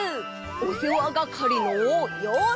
おせわがかりのようせい！